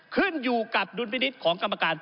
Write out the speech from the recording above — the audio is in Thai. ขึ้นอยู่กับดุลพินิษฐ์ของกรรมการ